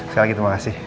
sekali lagi terima kasih